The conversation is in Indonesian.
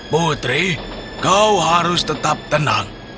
putri kau harus tetap tenang